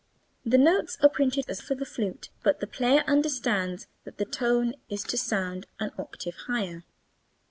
The notes are printed as for the flute, but the player understands that the tone is to sound an octave higher.